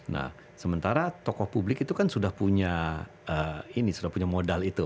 nah sementara tokoh publik itu kan sudah punya modal itu